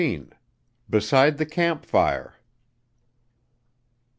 BESIDE THE CAMP FIRE.